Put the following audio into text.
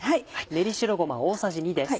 練り白ごま大さじ２です。